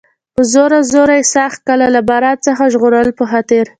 په زوره زوره یې ساه کښل، له باران څخه د ژغورلو په خاطر.